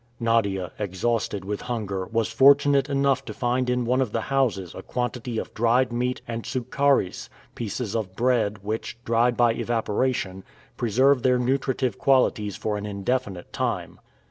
Nadia, exhausted with hunger, was fortunate enough to find in one of the houses a quantity of dried meat and "soukharis," pieces of bread, which, dried by evaporation, preserve their nutritive qualities for an indefinite time.